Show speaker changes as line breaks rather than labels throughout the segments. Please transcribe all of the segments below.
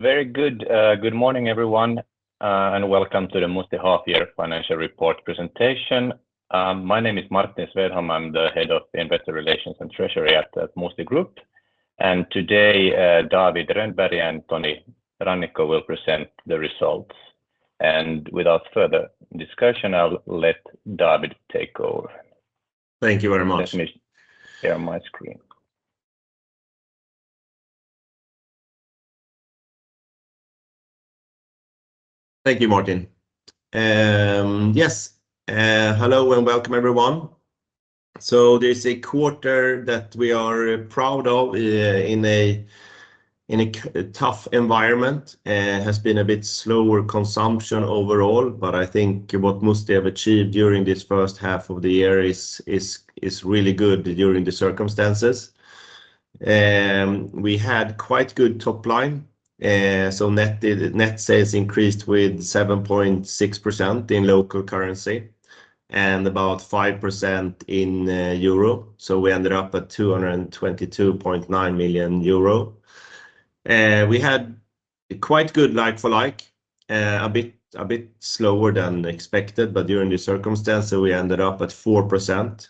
Very good, good morning everyone, and welcome to the Musti Half-Year Financial Report presentation. My name is Martin Svedholm, I'm the head of the Investor Relations and Treasury at Musti Group, and today, David Rönnberg and Toni Rannikko will present the results. Without further discussion, I'll let David take over.
Thank you very much.
Let me share my screen.
Thank you, Martin. Yes, hello and welcome everyone. So there's a quarter that we are proud of, in a tough environment, has been a bit slower consumption overall, but I think what Musti have achieved during this first half of the year is really good during the circumstances. We had quite good topline, so net sales increased with 7.6% in local currency and about 5% in euro, so we ended up at 222.9 million euro. We had quite good like-for-like, a bit slower than expected, but during the circumstances we ended up at 4%,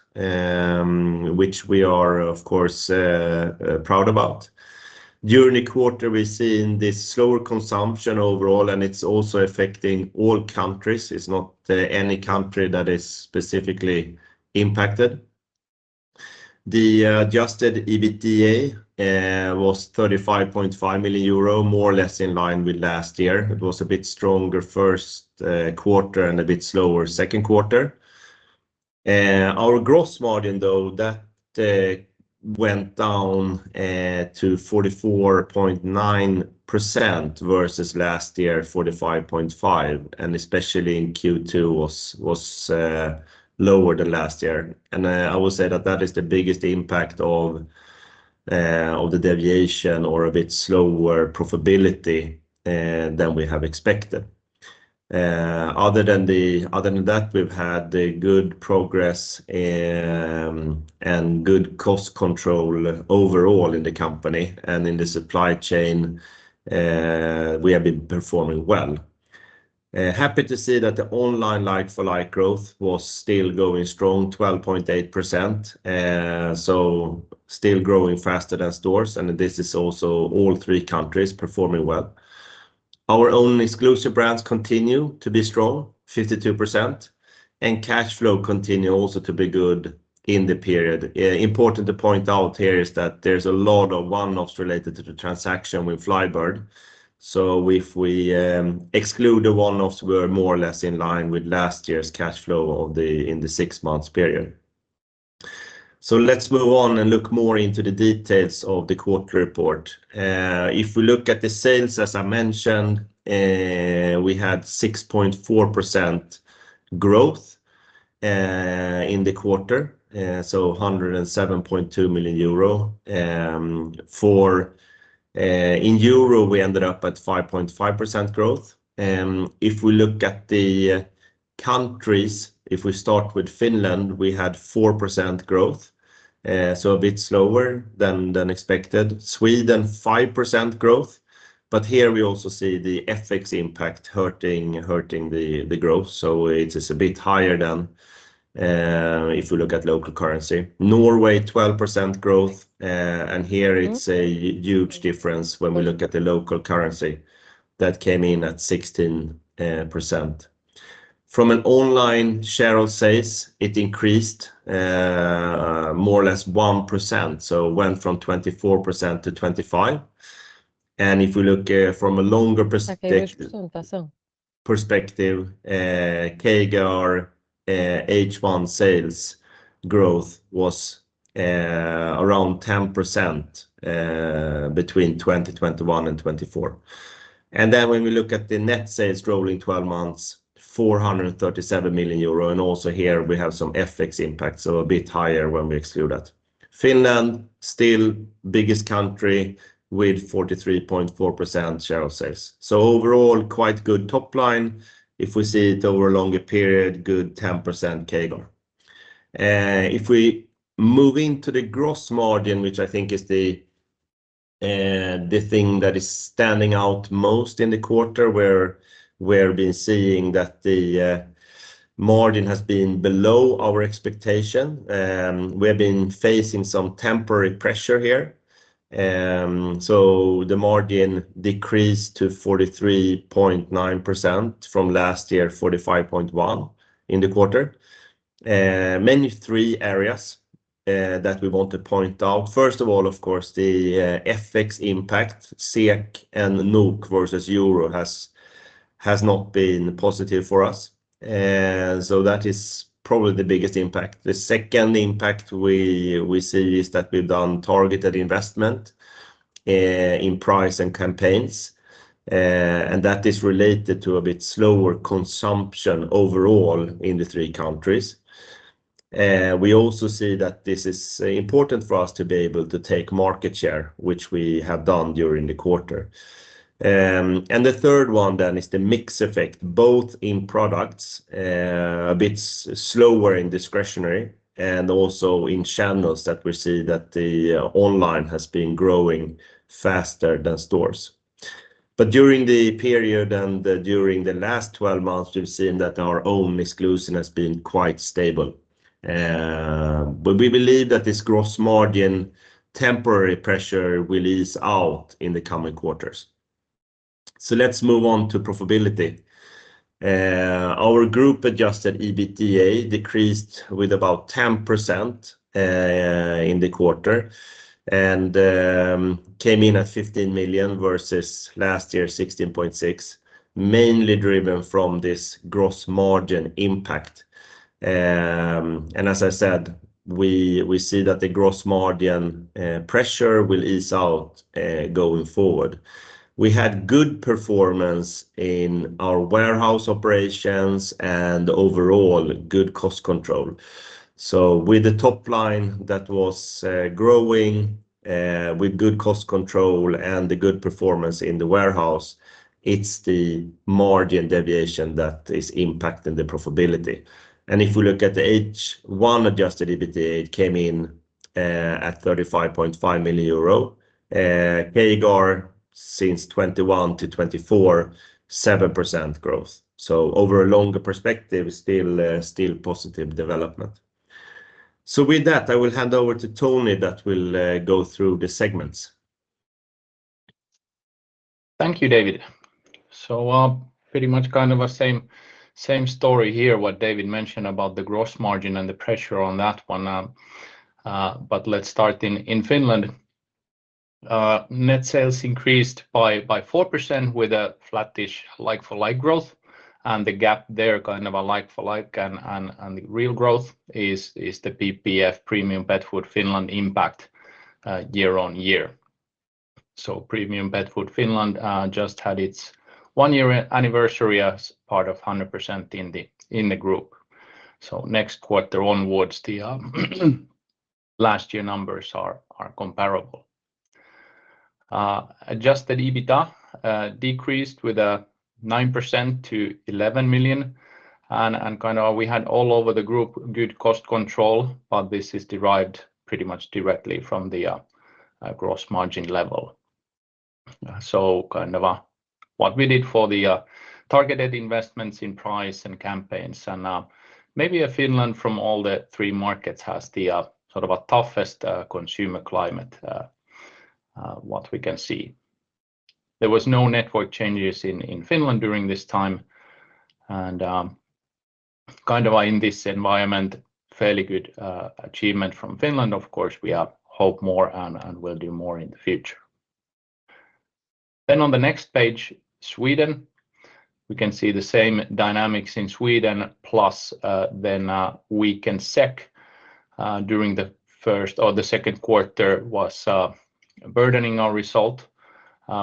which we are, of course, proud about. During the quarter we've seen this slower consumption overall, and it's also affecting all countries, it's not any country that is specifically impacted. The adjusted EBITDA was 35.5 million euro, more or less in line with last year. It was a bit stronger first quarter and a bit slower second quarter. Our gross margin, though, that went down to 44.9% versus last year 45.5%, and especially in Q2 was lower than last year. And I will say that that is the biggest impact of the deviation or a bit slower profitability than we have expected. Other than that, we've had good progress and good cost control overall in the company, and in the supply chain, we have been performing well. Happy to see that the online like-for-like growth was still going strong, 12.8%, so still growing faster than stores, and this is also all three countries performing well. Our own exclusive brands continue to be strong, 52%, and cash flow continue also to be good in the period. Important to point out here is that there's a lot of one-offs related to the transaction with Flybird, so if we exclude the one-offs, we're more or less in line with last year's cash flow in the six-month period. So let's move on and look more into the details of the quarter report. If we look at the sales, as I mentioned, we had 6.4% growth in the quarter, so 107.2 million euro. Or in euro we ended up at 5.5% growth. If we look at the countries, if we start with Finland, we had 4% growth, so a bit slower than expected. Sweden, 5% growth, but here we also see the FX impact hurting the growth, so it's a bit higher than if we look at local currency. Norway, 12% growth, and here it's a huge difference when we look at the local currency that came in at 16%. From an online share of sales, it increased, more or less 1%, so went from 24%-25%. And if we look, from a longer perspective. Perspective, CAGR, H1 sales growth was around 10%, between 2021 and 2024. And then when we look at the net sales rolling 12 months, 437 million euro, and also here we have some FX impact, so a bit higher when we exclude that. Finland, still biggest country with 43.4% share of sales. So overall quite good topline. If we see it over a longer period, good 10% CAGR. If we move into the gross margin, which I think is the thing that is standing out most in the quarter, where we've been seeing that the margin has been below our expectation, we have been facing some temporary pressure here. So the margin decreased to 43.9% from 45.1% last year in the quarter. Mainly three areas that we want to point out. First of all, of course, the FX impact, SEK and NOK versus euro, has not been positive for us. That is probably the biggest impact. The second impact we see is that we've done targeted investment in price and campaigns, and that is related to a bit slower consumption overall in the three countries. We also see that this is important for us to be able to take market share, which we have done during the quarter. The third one then is the mix effect, both in products, a bit slower in discretionary, and also in channels, that we see that the online has been growing faster than stores. During the period and during the last 12 months, we've seen that our own exclusives has been quite stable. We believe that this gross margin temporary pressure will ease out in the coming quarters. Let's move on to profitability. Our group adjusted EBITDA decreased with about 10% in the quarter and came in at 15 million versus last year 16.6 million, mainly driven from this gross margin impact. As I said, we, we see that the gross margin pressure will ease out, going forward. We had good performance in our warehouse operations and overall good cost control. With the topline that was growing, with good cost control and the good performance in the warehouse, it's the margin deviation that is impacting the profitability. If we look at the H1 adjusted EBITDA, it came in at 35.5 million euro. CAGR since 2021-2024, 7% growth. Over a longer perspective, still, still positive development. With that, I will hand over to Toni that will go through the segments.
Thank you, David. So, pretty much kind of a same, same story here, what David mentioned about the gross margin and the pressure on that one. But let's start in Finland. Net sales increased by 4% with a flattish like-for-like growth, and the gap there kind of a like-for-like and the real growth is the PPF Premium Pet Food Finland impact, year on year. So Premium Pet Food Finland just had its one-year anniversary as part of 100% in the group. So next quarter onwards the last year numbers are comparable. Adjusted EBITDA decreased by 9% to 11 million, and kind of we had all over the group good cost control, but this is derived pretty much directly from the gross margin level. So kind of what we did for the targeted investments in price and campaigns, and maybe Finland from all the three markets has the sort of a toughest consumer climate, what we can see. There was no network changes in Finland during this time, and kind of in this environment fairly good achievement from Finland. Of course we are hope more and will do more in the future. Then on the next page, Sweden, we can see the same dynamics in Sweden plus then weakened SEK during the first or the second quarter was burdening our result.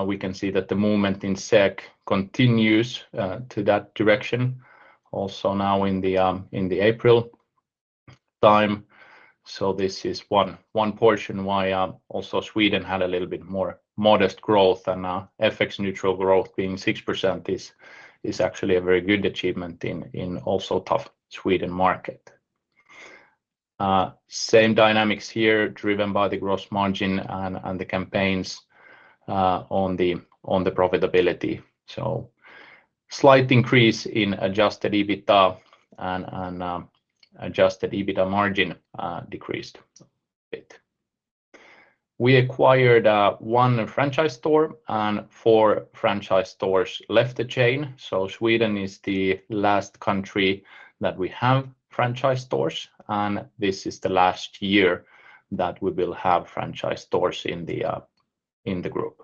We can see that the movement in SEK continues to that direction also now in the April time. So this is one portion why also Sweden had a little bit more modest growth and FX neutral growth being 6% is actually a very good achievement in also tough Sweden market. Same dynamics here driven by the gross margin and the campaigns on the profitability. So slight increase in adjusted EBITDA and adjusted EBITDA margin decreased a bit. We acquired one franchise store and four franchise stores left the chain. So Sweden is the last country that we have franchise stores, and this is the last year that we will have franchise stores in the group.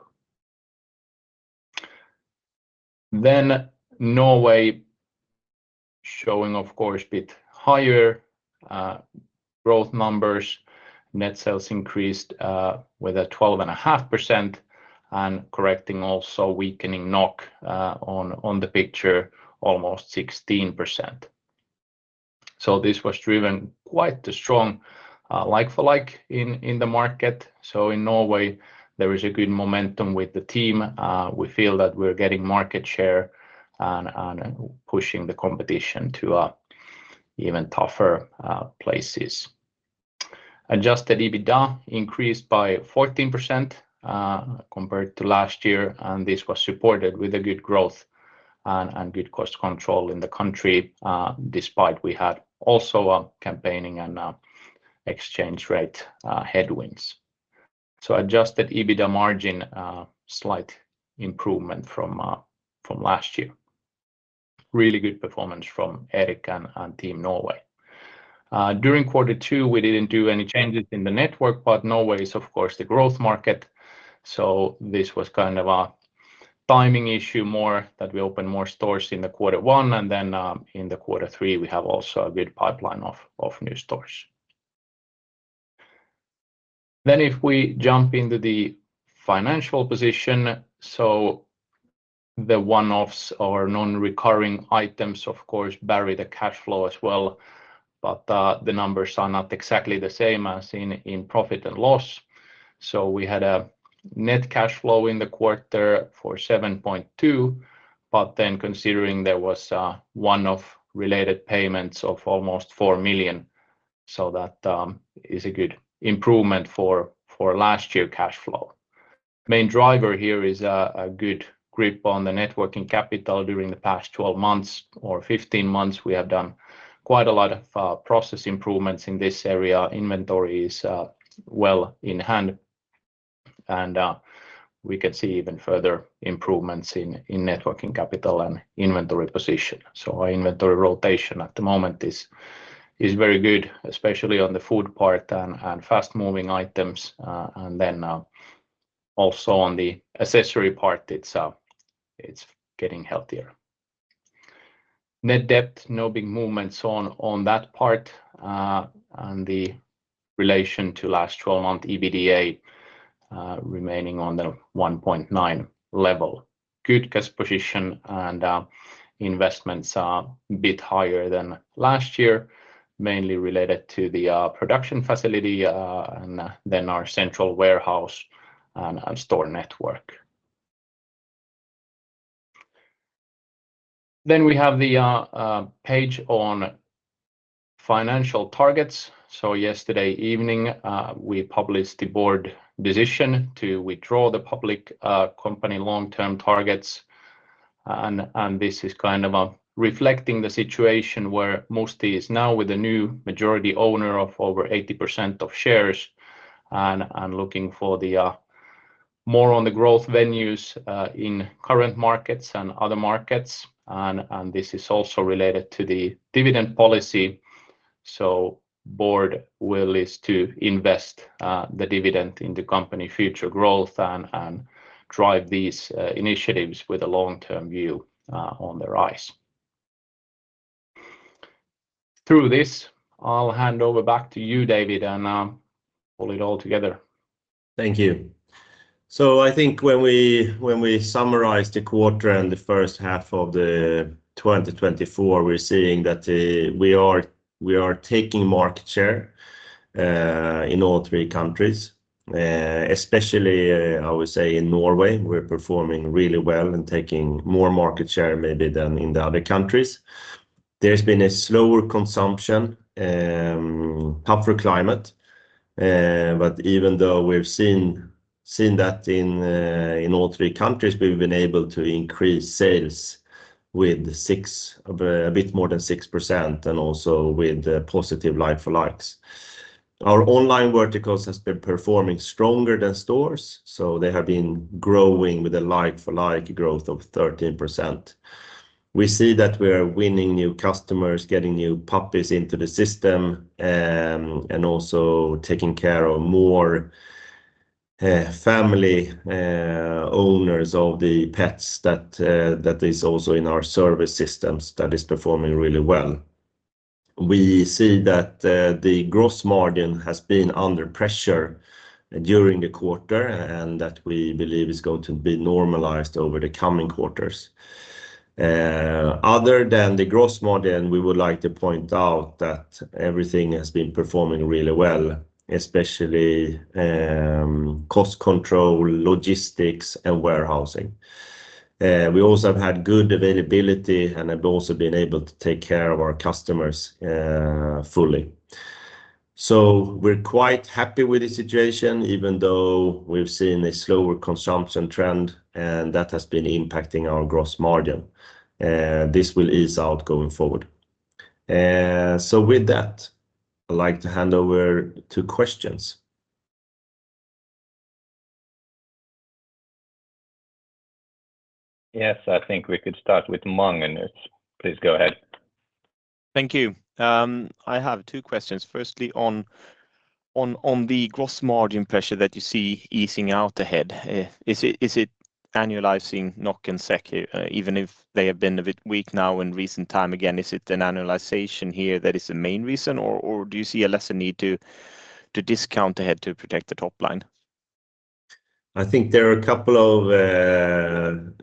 Then Norway showing, of course, bit higher growth numbers, net sales increased with a 12.5% and correcting also weakening NOK on the picture almost 16%. So this was driven quite the strong like-for-like in the market. So in Norway there is a good momentum with the team. We feel that we're getting market share and, and pushing the competition to, even tougher, places. Adjusted EBITDA increased by 14%, compared to last year, and this was supported with a good growth and, and good cost control in the country, despite we had also a campaigning and, exchange rate, headwinds. So adjusted EBITDA margin, slight improvement from, from last year. Really good performance from Erik and, and team Norway. During quarter two we didn't do any changes in the network, but Norway is of course the growth market. So this was kind of a timing issue more that we opened more stores in the quarter one and then, in the quarter three we have also a good pipeline of, of new stores. Then if we jump into the financial position, so the one-offs or non-recurring items, of course, buried the cash flow as well, but the numbers are not exactly the same as in profit and loss. So we had a net cash flow in the quarter for 7.2%, but then considering there was one-off related payments of almost 4 million, so that is a good improvement for last year cash flow. Main driver here is a good grip on the net working capital during the past 12 months or 15 months. We have done quite a lot of process improvements in this area. Inventory is well in hand and we can see even further improvements in net working capital and inventory position. So our inventory rotation at the moment is very good, especially on the food part and fast-moving items, and then also on the accessory part it's getting healthier. Net debt, no big movements on that part, and the relation to last 12-month EBITDA, remaining on the 1.9% level. Good cash position and investments, bit higher than last year, mainly related to the production facility, and then our central warehouse and store network. Then we have the page on financial targets. So yesterday evening, we published the board decision to withdraw the public company long-term targets, and this is kind of reflecting the situation where Musti is now with a new majority owner of over 80% of shares and looking for the more on the growth venues, in current markets and other markets. This is also related to the dividend policy. So the board's will is to invest the dividend in the company's future growth and drive these initiatives with a long-term view in their eyes. Through this, I'll hand over back to you, David, and pull it all together.
Thank you. So I think when we summarize the quarter and the first half of 2024, we're seeing that we are taking market share in all three countries, especially I would say in Norway we're performing really well and taking more market share maybe than in the other countries. There's been a slower consumption, tougher climate, but even though we've seen that in all three countries we've been able to increase sales with 6% or a bit more than 6% and also with positive like-for-likes. Our online verticals has been performing stronger than stores, so they have been growing with a like-for-like growth of 13%. We see that we are winning new customers, getting new puppies into the system, and also taking care of more family owners of the pets that is also in our service systems that is performing really well. We see that the gross margin has been under pressure during the quarter and that we believe is going to be normalized over the coming quarters. Other than the gross margin, we would like to point out that everything has been performing really well, especially cost control, logistics, and warehousing. We also have had good availability and have also been able to take care of our customers fully. So we're quite happy with the situation even though we've seen a slower consumption trend and that has been impacting our gross margin. This will ease out going forward. So with that, I'd like to hand over to questions.
Yes, I think we could start with Mangunus. Please go ahead.
Thank you. I have two questions. First, on the gross margin pressure that you see easing out ahead. Is it annualizing NOK and SEK even if they have been a bit weak now in recent time? Again, is it an annualization here that is the main reason or do you see a lesser need to discount ahead to protect the topline?
I think there are a couple of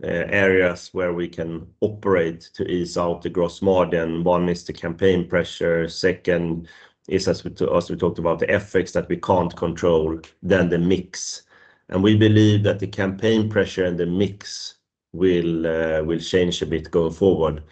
areas where we can operate to ease out the gross margin. One is the campaign pressure. Second is as we talked about the effects that we can't control than the mix. And we believe that the campaign pressure and the mix will, will change a bit going forward.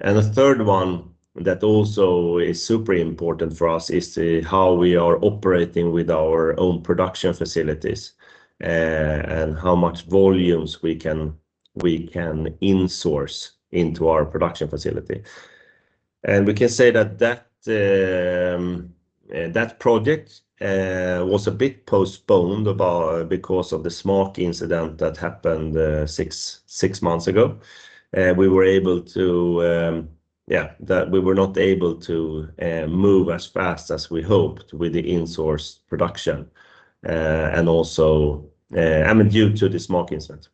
And the third one that also is super important for us is how we are operating with our own production facilities, and how much volumes we can, we can insource into our production facility. And we can say that that, that project, was a bit postponed about because of the SMAAK incident that happened, six months ago. We were able to, yeah, that we were not able to move as fast as we hoped with the insourced production, and also, I mean due to the SMAAK incident.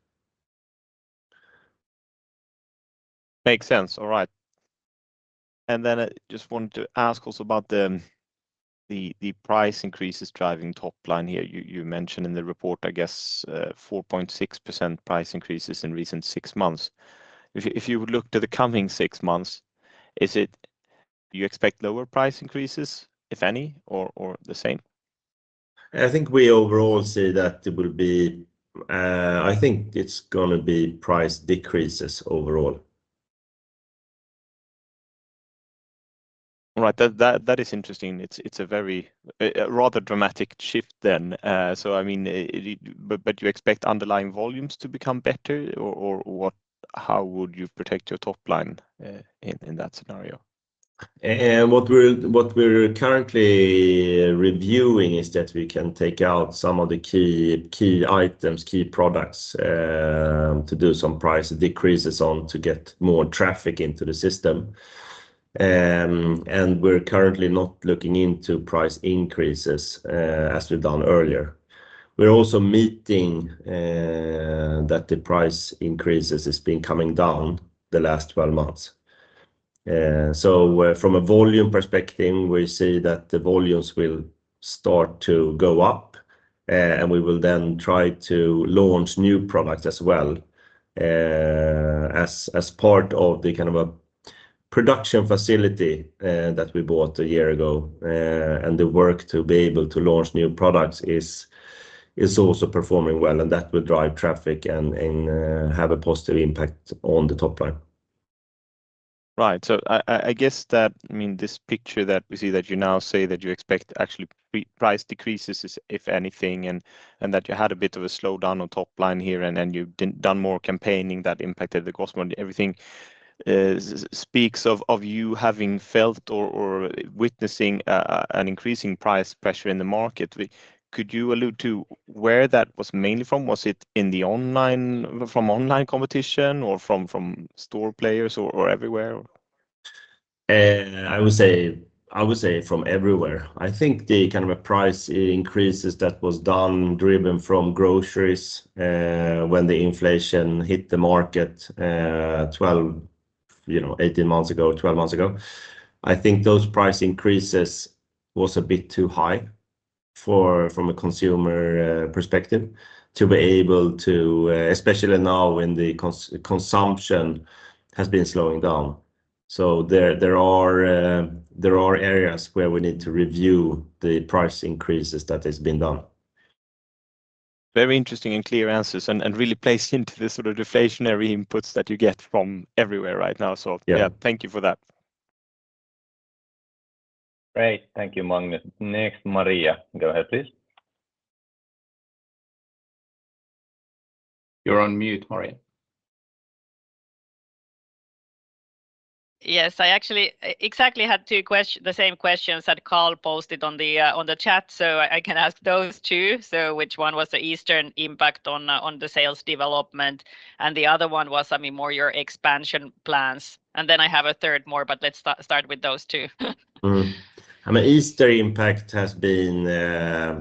Makes sense. All right. And then I just wanted to ask also about the price increases driving topline here. You mentioned in the report I guess, 4.6% price increases in recent six months. If you would look to the coming six months is it you expect lower price increases if any or the same?
I think we overall see that it will be, I think it's going to be price decreases overall.
All right. That is interesting. It's a very rather dramatic shift then. So I mean, but you expect underlying volumes to become better or what how would you protect your topline, in that scenario?
What we're currently reviewing is that we can take out some of the key products to do some price decreases on to get more traffic into the system. We're currently not looking into price increases, as we've done earlier. We're also seeing that the price increases have been coming down the last 12 months. So, from a volume perspective, we see that the volumes will start to go up, and we will then try to launch new products as well, as part of the kind of production facility that we bought a year ago. The work to be able to launch new products is also performing well, and that will drive traffic and have a positive impact on the topline.
Right. So I guess that I mean this picture that we see that you now say that you expect actually price decreases is if anything and that you had a bit of a slowdown on topline here and you didn't do more campaigning that impacted the gross margin. Everything speaks of you having felt or witnessing an increasing price pressure in the market. Could you allude to where that was mainly from? Was it in the online from online competition or from store players or everywhere?
I would say, I would say from everywhere. I think the kind of a price increases that was done driven from groceries, when the inflation hit the market, 12, you know, 18 months ago, 12 months ago. I think those price increases was a bit too high for, from a consumer, perspective to be able to, especially now when the consumption has been slowing down. So there, there are, there are areas where we need to review the price increases that has been done.
Very interesting and clear answers, really plays into the sort of deflationary inputs that you get from everywhere right now. So yeah, thank you for that.
Great. Thank you, Magnus. Next Maria. Go ahead, please. You're on mute, Maria.
Yes, I actually exactly had two questions, the same questions that Calle posted on the, on the chat, so I can ask those two. So which one was the Easter impact on, on the sales development, and the other one was, I mean, more your expansion plans, and then I have a third more, but let's start with those two.
I mean Easter impact has been,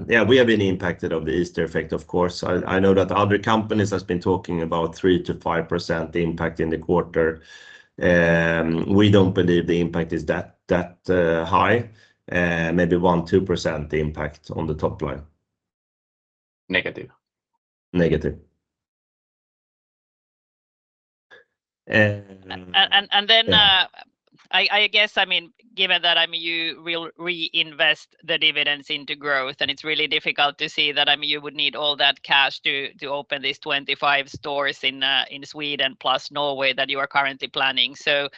yeah, we have been impacted of the Easter effect, of course. I know that other companies have been talking about 3%-5% impact in the quarter. We don't believe the impact is that high. Maybe 1%-2% impact on the topline.
Negative.
Negative.
And then, I guess, I mean, given that, I mean, you will reinvest the dividends into growth and it's really difficult to see that, I mean, you would need all that cash to open these 25 stores in Sweden plus Norway that you are currently planning. So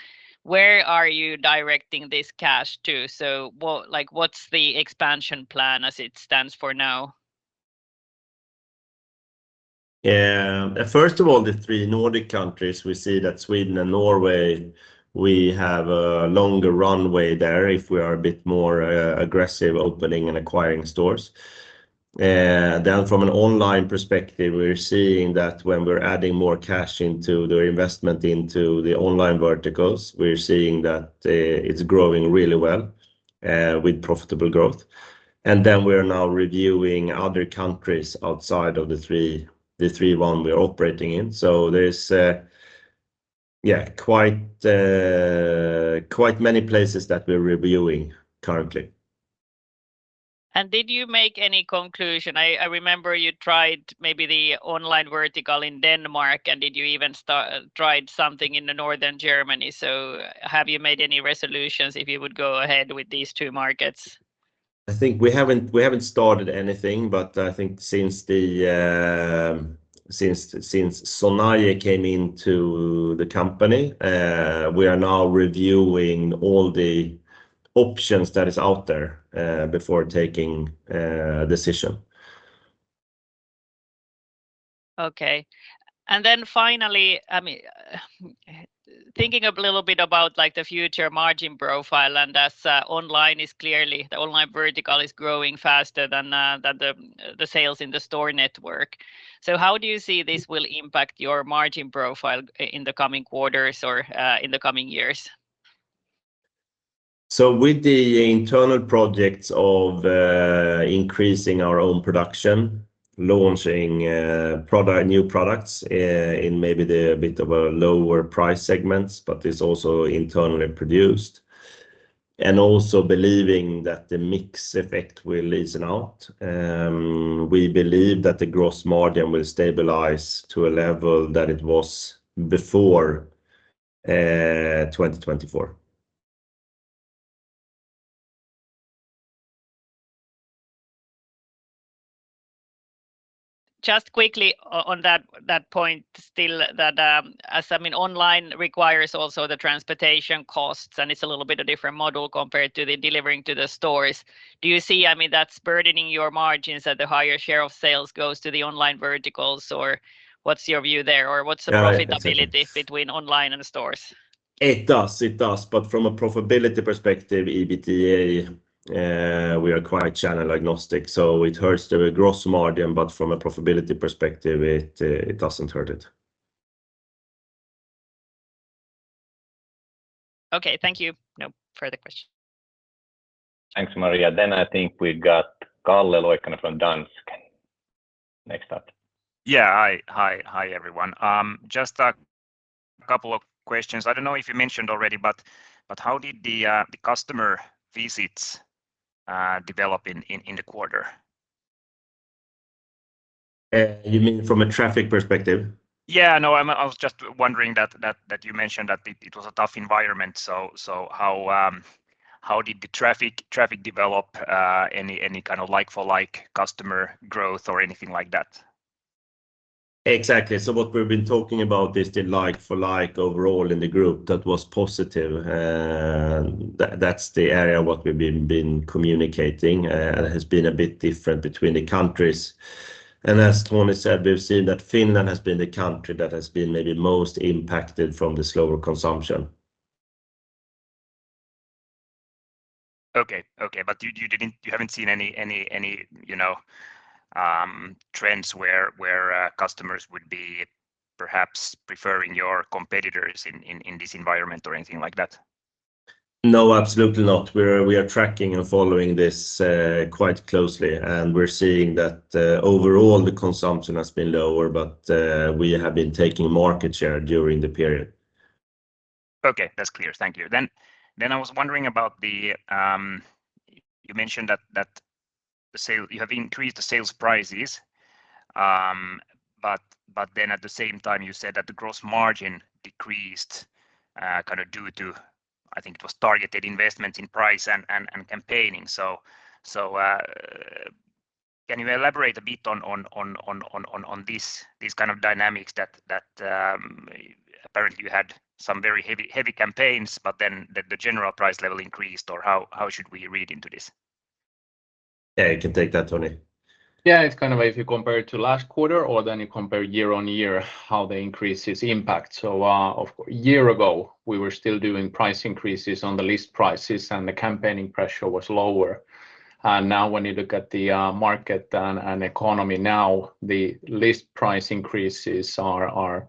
where are you directing this cash to? So what, like, what's the expansion plan as it stands for now?
First of all, the three Nordic countries we see that Sweden and Norway we have a longer runway there if we are a bit more aggressive opening and acquiring stores. Then from an online perspective we're seeing that when we're adding more cash into the investment into the online verticals we're seeing that it's growing really well, with profitable growth. And then we are now reviewing other countries outside of the three the three one we're operating in. So there's, yeah, quite, quite many places that we're reviewing currently.
Did you make any conclusion? I remember you tried maybe the online vertical in Denmark and did you even start tried something in the northern Germany? Have you made any resolutions if you would go ahead with these two markets?
I think we haven't started anything but I think since Sonae came into the company, we are now reviewing all the options that is out there, before taking a decision.
Okay. And then finally, I mean, thinking a little bit about, like, the future margin profile and as online is clearly the online vertical is growing faster than the sales in the store network. So how do you see this will impact your margin profile in the coming quarters or in the coming years?
So with the internal projects of increasing our own production, launching product new products in maybe a bit of a lower price segments but it's also internally produced. And also believing that the mix effect will ease out. We believe that the gross margin will stabilize to a level that it was before 2024.
Just quickly on that point, as I mean, online requires also the transportation costs and it's a little bit a different model compared to the delivering to the stores. Do you see, I mean, that's burdening your margins that the higher share of sales goes to the online verticals or what's your view there or what's the profitability between online and stores?
It does, it does. But from a profitability perspective EBITDA, we are quite channel agnostic. So it hurts the gross margin but from a profitability perspective it, it doesn't hurt it.
Okay. Thank you. No further questions.
Thanks, Maria. Then I think we got Calle Loikkanen from Danske Bank. Next up.
Yeah. Hi, hi, hi everyone. Just a couple of questions. I don't know if you mentioned already but how did the customer visits develop in the quarter?
You mean from a traffic perspective?
Yeah. No, I was just wondering that you mentioned that it was a tough environment. So, how did the traffic develop, any kind of like-for-like customer growth or anything like that?
Exactly. So what we've been talking about is the like-for-like overall in the group that was positive. That, that's the area what we've been communicating. It has been a bit different between the countries. And as Toni said, we've seen that Finland has been the country that has been maybe most impacted from the slower consumption.
But you haven't seen any, you know, trends where customers would be perhaps preferring your competitors in this environment or anything like that?
No, absolutely not. We're tracking and following this quite closely, and we're seeing that overall the consumption has been lower, but we have been taking market share during the period.
Okay. That's clear. Thank you. Then I was wondering about the. You mentioned that the sales you have increased the sales prices, but then at the same time you said that the gross margin decreased, kind of due to I think it was targeted investments in price and campaigning. So can you elaborate a bit on this kind of dynamics that apparently you had some very heavy campaigns but then that the general price level increased or how should we read into this?
Yeah. You can take that, Toni.
Yeah. It's kind of if you compare it to last quarter or then you compare year on year how they increase its impact. So, of course a year ago we were still doing price increases on the list prices and the campaigning pressure was lower. And now when you look at the market and economy now the list price increases are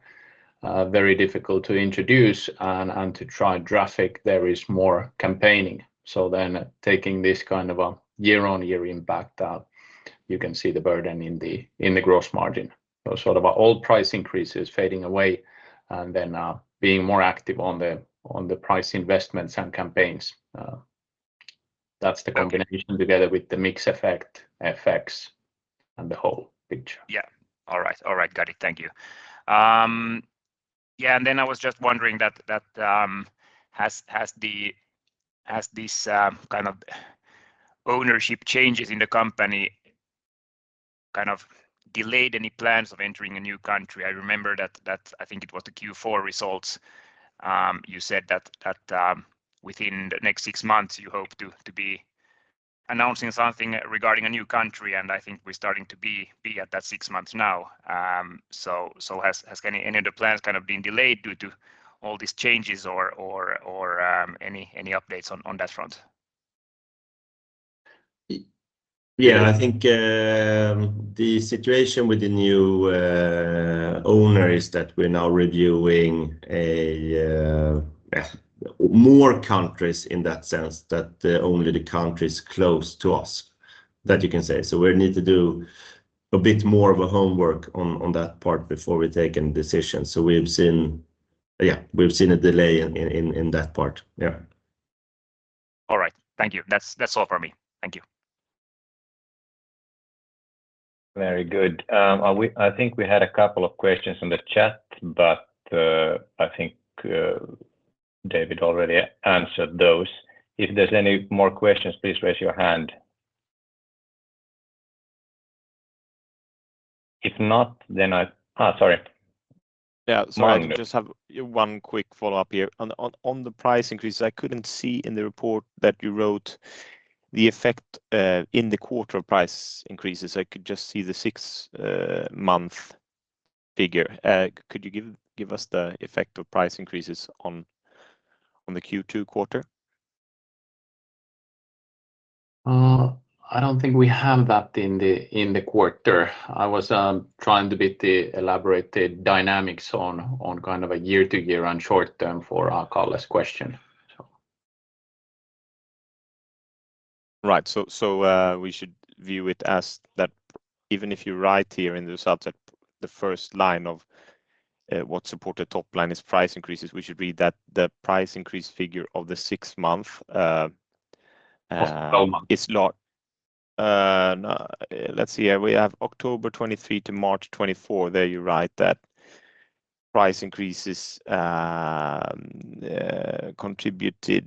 very difficult to introduce and to try traffic there is more campaigning. So then taking this kind of a year on year impact out you can see the burden in the gross margin. So sort of an old price increases fading away and then being more active on the price investments and campaigns. That's the combination together with the mix effect, effects and the whole picture.
Yeah. All right. All right. Got it. Thank you. Yeah. And then I was just wondering, has this kind of ownership changes in the company kind of delayed any plans of entering a new country? I remember that I think it was the Q4 results. You said that within the next six months you hope to be announcing something regarding a new country and I think we're starting to be at that six months now. So, has any of the plans kind of been delayed due to all these changes or any updates on that front?
Yeah. I think the situation with the new owner is that we're now reviewing more countries in that sense that only the countries close to us that you can say. So we need to do a bit more of a homework on that part before we take any decisions. So we've seen a delay in that part. Yeah.
All right. Thank you. That's, that's all from me. Thank you.
Very good. I think we had a couple of questions in the chat, but I think David already answered those. If there's any more questions, please raise your hand. If not, then I'm sorry.
Yeah. Sorry. I just have one quick follow-up here. On the price increases, I couldn't see in the report that you wrote the effect in the quarter of price increases. I could just see the 6-month figure. Could you give us the effect of price increases on the Q2 quarter?
I don't think we have that in the quarter. I was trying to elaborate a bit on the dynamics on kind of a year-to-year and short-term for Calle's question, so.
Right. So, we should view it as that even if you write here in the result that the first line of what supports the topline is price increases, we should read that the price increase figure of the six month,
Of 12 months.
It's large. No, let's see here. We have October 2023 to March 2024. There you write that price increases contributed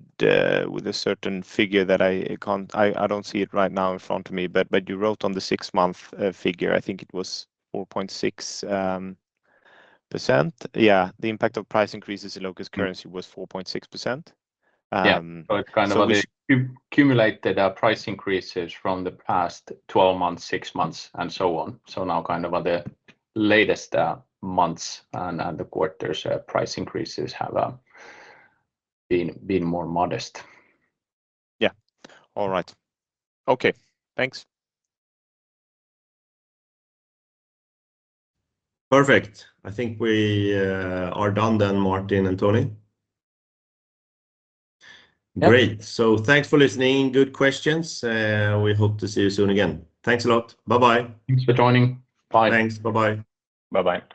with a certain figure that I can't, I don't see it right now in front of me, but you wrote on the six-month figure I think it was 4.6%. Yeah. The impact of price increases in local currency was 4.6%.
Yeah. So it's kind of the accumulated price increases from the past 12 months, six months and so on. So now kind of on the latest months and the quarters price increases have been more modest.
Yeah. All right. Okay. Thanks.
Perfect. I think we are done then, Martin and Toni.
Great. So thanks for listening. Good questions. We hope to see you soon again. Thanks a lot. Bye-bye.
Thanks for joining. Bye.
Thanks. Bye-bye.
Bye-bye.